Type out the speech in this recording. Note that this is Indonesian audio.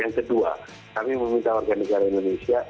yang kedua kami meminta warga negara indonesia